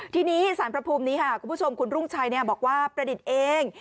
ทีนี้สารพระภูมินี้ค่ะคุณผู้ชมคุณรุ่งชัยบอกว่าประดิษฐ์เอง